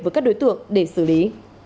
với các đối tượng để xử lý